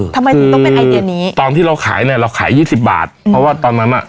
คือตอนที่เราขายเนี่ยเราขายยี่สิบบาทเพราะว่าตอนนั้นอ่ะ